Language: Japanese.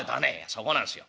「そこなんすよ。